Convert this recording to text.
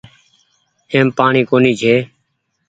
ايم پآڻيٚ ڪونيٚ ڇي۔